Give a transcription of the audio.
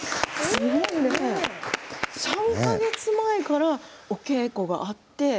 すごいですね３か月前からお稽古があって。